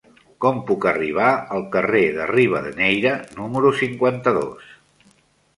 Com puc arribar al carrer de Rivadeneyra número cinquanta-dos?